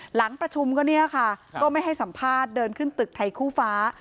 หลังประชุมก็เนี่ยค่ะก็ไม่ให้สัมภาษณ์เดินขึ้นตึกไทยคู่ฟ้า